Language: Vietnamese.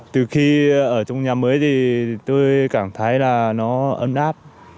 từ khi ở trong nhà mới thì tôi cảm thấy là nó ấm áp